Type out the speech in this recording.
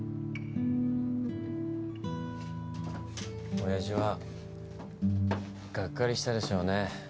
おやじはがっかりしたでしょうね